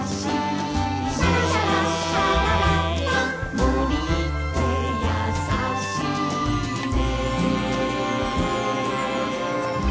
「シャラシャラシャラララ森ってやさしいね」